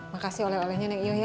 makasih oleh olehnya nek yo ya